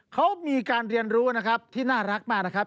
เขามีการเรียนรู้นะครับที่น่ารักมากนะครับ